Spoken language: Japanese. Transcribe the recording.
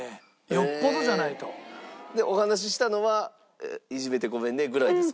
よっぽどじゃないと。でお話ししたのは「いじめてごめんね」ぐらいですか？